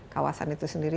kawasan itu sendiri